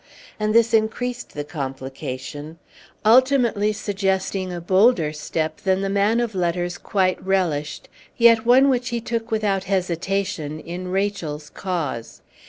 And this increased the complication, ultimately suggesting a bolder step than the man of letters quite relished, yet one which he took without hesitation in Rachel's cause.